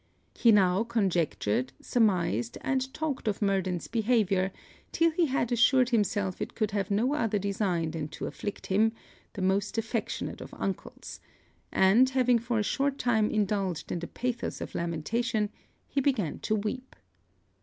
He now conjectured, surmised, and talked of Murden's behaviour, till he had assured himself it could have no other design than to afflict him, the most affectionate of uncles; and, having for a short time indulged in the pathos of lamentation, he began to weep.